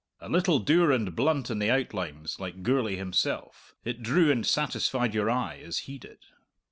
A little dour and blunt in the outlines like Gourlay himself, it drew and satisfied your eye as he did.